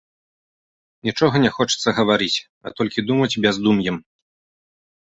Нічога не хочацца гаварыць, а толькі думаць бяздум'ем.